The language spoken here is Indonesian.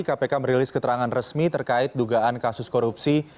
kpk merilis keterangan resmi terkait dugaan kasus korupsi